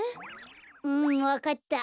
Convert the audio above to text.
うんわかった。